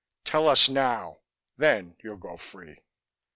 "Tell us now; then you'll go free."